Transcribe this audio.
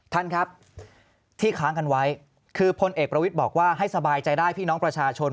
ท่านครับที่ค้างกันไว้คือพลเอกประวิทย์บอกว่าให้สบายใจได้พี่น้องประชาชน